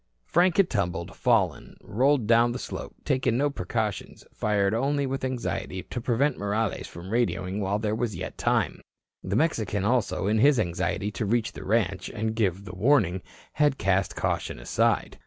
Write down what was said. Frank had tumbled, fallen, rolled down the slope, taking no precautions, fired only with anxiety to prevent Morales from radioing while there was yet time. The Mexican also, in his anxiety to reach the ranch and give the warning, had cast caution aside.